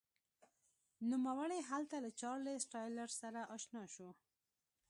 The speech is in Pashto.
نوموړی هلته له چارلېز ټایلر سره اشنا شو.